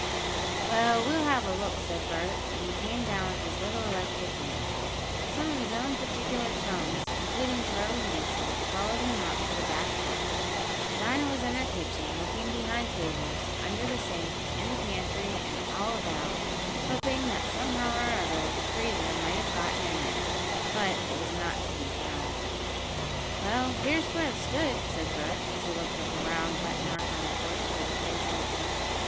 "Well, we'll have a look," said Bert, as he came down with his little electric lamp. Some of his own particular chums, including Charley Mason, followed him out to the back porch, Dinah was in her kitchen, looking behind tables, under the sink, in the pantry and all about, hoping that, somehow or other, the freezer might have gotten in there. But it was not to be found. "Well, here's where it stood," said Bert, as he looked at the round, wet mark on the porch where the freezer had set.